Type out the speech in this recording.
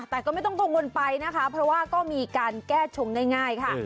แต่ก็ไม่ต้องกังวลไปนะคะเพราะว่าก็มีการแก้ชงง่ายค่ะ